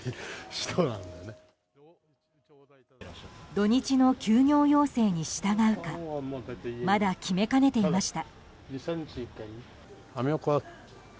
土日の休業要請に従うかまだ決めかねていました。